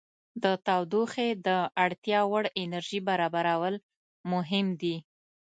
د تودوخې د اړتیا وړ انرژي برابرول مهم دي.